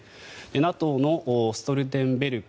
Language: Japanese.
ＮＡＴＯのストルテンベルグ